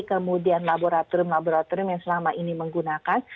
kemudian laboratorium laboratorium yang selama ini menggunakan